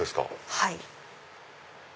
はい。